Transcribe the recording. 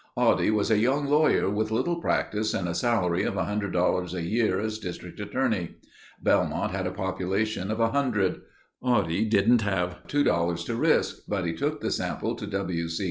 Oddie was a young lawyer with little practice and a salary of $100 a year as District Attorney. Belmont had a population of 100. Oddie didn't have two dollars to risk, but he took the sample to W. C.